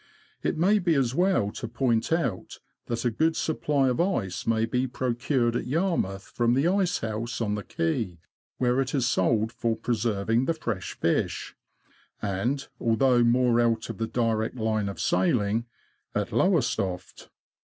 It may be as well to point out that a good supply of ice may be procured at Yarmouth from the Ice house on the Quay (where it is sold for preserving the fresh fish), and, although more out of the direct line of sailing, at Lowestoft.